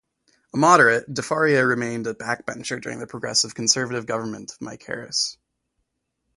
A moderate, DeFaria remained a backbencher during the Progressive Conservative government of Mike Harris.